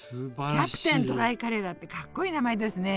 キャプテンドライカレーだってかっこいい名前ですね。